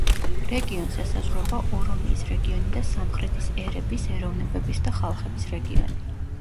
რეგიონს ესაზღვრება ორომიის რეგიონი და სამხრეთის ერების, ეროვნებების და ხალხების რეგიონი.